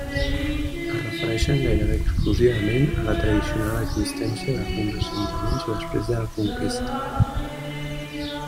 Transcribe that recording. Es refereixen gairebé exclusivament a la tradicional existència d'alguns assentaments després de la conquesta.